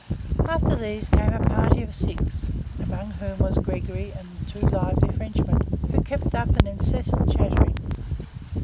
After these came a party of six, among whom was Gregory and two lively Frenchmen, who kept up an incessant chattering.